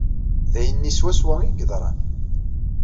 D ayenni swaswa ay yeḍran.